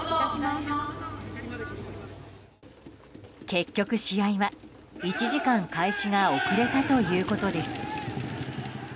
結局、試合は１時間開始が遅れたということです。